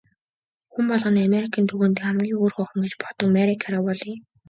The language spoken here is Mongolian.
Хүн болгоны Америкийн түүхэн дэх хамгийн хөөрхөн охин гэж боддог Мари Караволли.